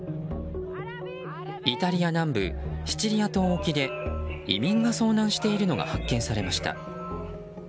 イタリア南部シチリア島沖で移民が遭難しているのが発見されました。